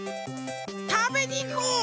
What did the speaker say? たべにいこう！